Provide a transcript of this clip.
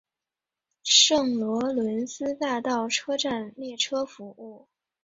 圣罗伦斯大道车站列车服务。